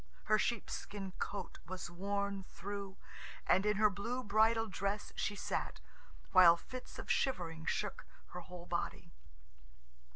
Her sheepskin coat was worn through, and in her blue bridal dress she sat, while fits of shivering shook her whole body.